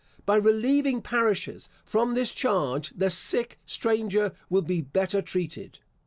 By relieving parishes from this charge, the sick stranger will be better treated.